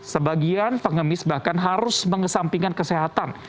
sebagian pengemis bahkan harus mengesampingkan kesehatan